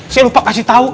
saya lupa kasih tau